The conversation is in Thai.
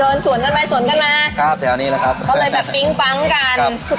สวนกันไปสวนกันมาครับแถวนี้แหละครับก็เลยแบบปิ๊งปั๊งกัน